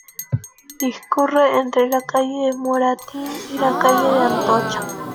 Discurre entre la calle de Moratín y la calle de Atocha.